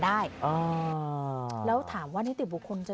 สุดทนแล้วกับเพื่อนบ้านรายนี้ที่อยู่ข้างกัน